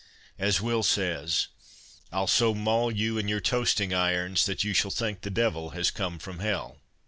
—As Will says— 'I'll so maul you and your toasting irons, That you shall think the devil has come from hell.